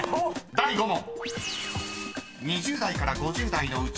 ［第５問］